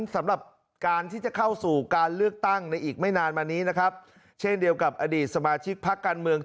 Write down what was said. สำหรับการที่จะเข้าสู่การเลือกตั้งในอีกไม่นานมานี้นะครับเช่นเดียวกับอดีตสมาชิกพักการเมือง